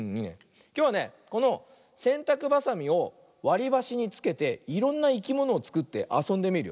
きょうはねこのせんたくばさみをわりばしにつけていろんないきものをつくってあそんでみるよ。